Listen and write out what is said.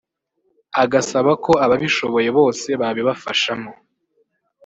agasaba ko ababishoboye bose babifashamo